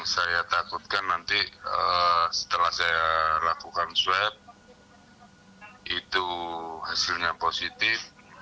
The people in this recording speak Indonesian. saya takutkan nanti setelah saya lakukan swab itu hasilnya positif